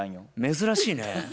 珍しいね。